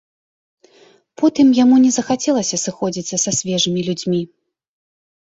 Потым яму не захацелася сыходзіцца са свежымі людзьмі.